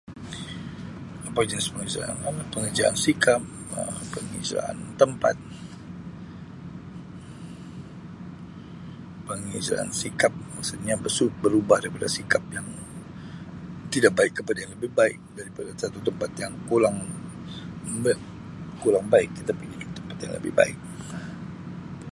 [unintelligible] Penghijraan sikap penghijraan tempat penghijraan sikap maksudnya berubah sikap yang tidak baik ke lebih baik daripada satu tempat yang kurang baik kurang baik kita pigi ke tempat yang lebih baik.